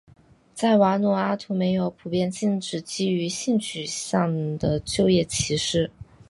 在瓦努阿图没有普遍禁止基于性取向的就业歧视。